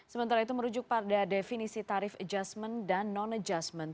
sementara itu merujuk pada definisi tarif adjustment dan non adjustment